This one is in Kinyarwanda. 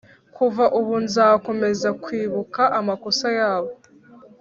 Kuva ubu nzakomeza kwibuka amakosa yabo,